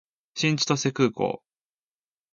新千歳空港